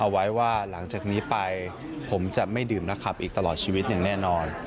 ไว้ว่าหลังจากนี้ไปผมจะไม่ดื่มนักขับอีกตลอดชีวิตอย่างแน่นอน